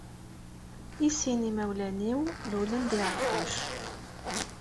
I sin imawlan-iw lulen di Ɛeṭṭuc.